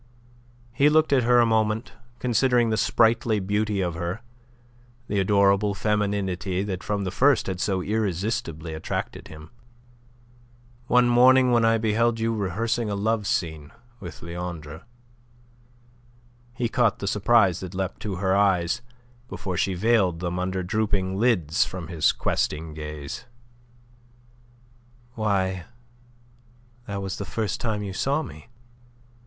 He looked at her a moment, considering the sprightly beauty of her, the adorable femininity that from the first had so irresistibly attracted him. "One morning when I beheld you rehearsing a love scene with Leandre." He caught the surprise that leapt to her eyes, before she veiled them under drooping lids from his too questing gaze. "Why, that was the first time you saw me."